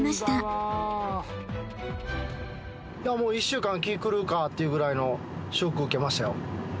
１週間気狂うかっていうぐらいのショック受けましたよ。